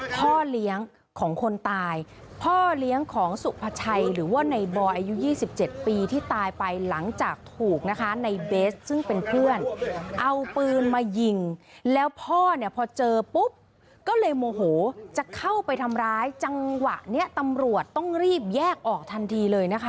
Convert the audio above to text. พ่อเลี้ยงของคนตายพ่อเลี้ยงของสุภาชัยหรือว่าในบอยอายุ๒๗ปีที่ตายไปหลังจากถูกนะคะในเบสซึ่งเป็นเพื่อนเอาปืนมายิงแล้วพ่อเนี่ยพอเจอปุ๊บก็เลยโมโหจะเข้าไปทำร้ายจังหวะนี้ตำรวจต้องรีบแยกออกทันทีเลยนะคะ